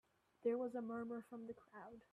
There was a murmur from the crowd.